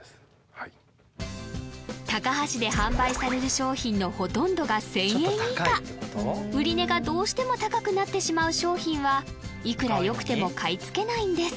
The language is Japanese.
はいタカハシで販売される商品のほとんどが１０００円以下売値がどうしても高くなってしまう商品はいくら良くても買い付けないんです